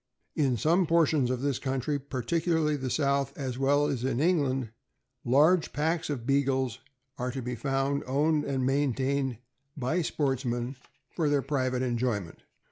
In some portions of this country, particularly the South, as well as in England, large packs of Beagles are to be found, owned and maintained by sportsmen for their private enjoyment.